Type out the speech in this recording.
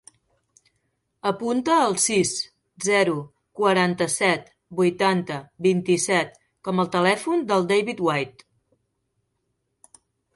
Apunta el sis, zero, quaranta-set, vuitanta, vint-i-set com a telèfon del David White.